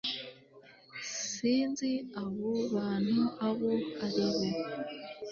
s sinzi abo bantu abo ari bo